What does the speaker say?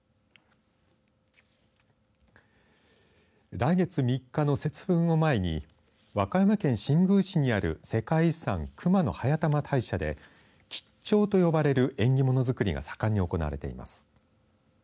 来月３日の節分を前に和歌山県新宮市にある世界遺産熊野速玉大社で吉兆と呼ばれる縁起物づくりが盛んに行われています。